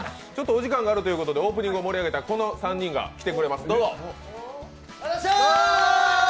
お時間があるということでオープニングを盛り上げたこの３人が来てくれています。